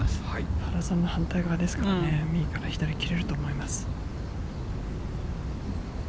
原さんの反対側ですからね、右から左に切れると思います。